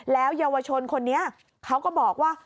แล้วเยาวชนคนนี้เขาก็บอกว่า